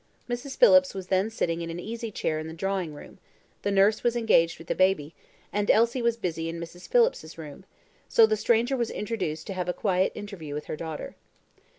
Mrs. Phillips was then sitting in an easy chair in the drawing room, the nurse was engaged with the baby, and Elsie busy in Mrs. Phillips's room; so the stranger was introduced to have a quiet interview with her daughter.